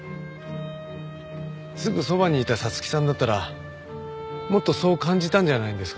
すぐそばにいた沙月さんだったらもっとそう感じたんじゃないですか？